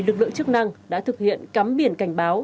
lực lượng chức năng đã thực hiện cắm biển cảnh báo